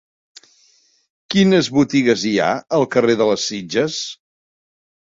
Quines botigues hi ha al carrer de les Sitges?